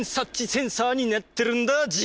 センサーになってるんだＧ。